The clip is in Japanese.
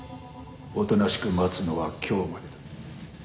おとなしく待つのは今日までだ。